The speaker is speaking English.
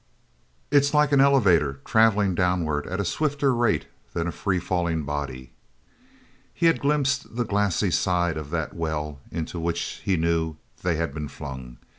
It's like an elevator traveling downward at a swifter rate than a free falling body." e had glimpsed the glassy side of that well into which he knew they had been flung.